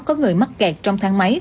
có người mắc kẹt trong thang máy